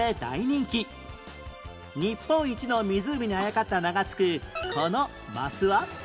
日本一の湖にあやかった名が付くこのマスは？